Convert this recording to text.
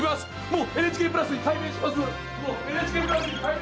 もうＮＨＫプラスに改名しました！